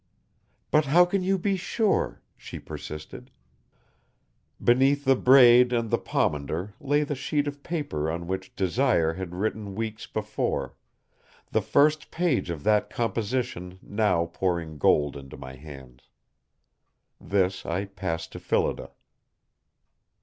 "But how can you be sure?" she persisted. Beneath the braid and the pomander lay the sheet of paper on which Desire had written weeks before; the first page of that composition now pouring gold into my hands. This I passed to Phillida.